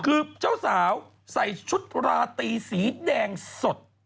คือเจ้าสาวใส่ชุดราตีสีแดงสด